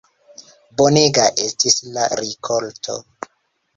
Bonega estis la rikolto.